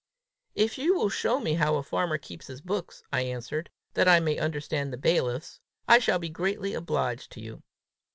"If you will show me how a farmer keeps his books," I answered, "that I may understand the bailiff's, I shall be greatly obliged to you.